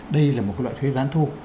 đây là một loại thuế gián thu